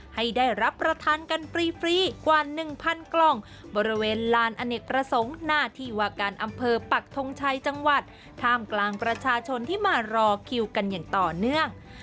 ให้ได้รับประทานกันฟรีกว่า๑๐๐กล่องบริเวณลานอเนกประสงค์หน้าที่วาการอำเภอปักทงชัยจังหวัดท่ามกลางประชาชนที่มารอคิวกันอย่างต่อเนื่อง